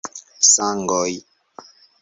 Sangoj.